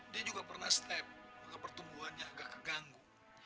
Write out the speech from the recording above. dia juga pernah step pertumbuhannya agak keganggu